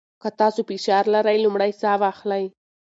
که تاسو فشار لرئ، لومړی ساه واخلئ.